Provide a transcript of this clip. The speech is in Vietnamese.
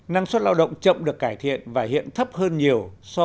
năng suất lao động chậm được cải thiện và hiện thấp hơn nhiều